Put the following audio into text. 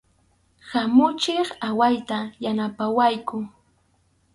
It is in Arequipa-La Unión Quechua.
Hamuychik, awayta yanapawayku.